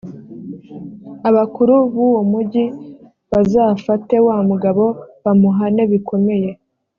abakuru b’uwo mugi bazafate wa mugabo, bamuhane bikomeye.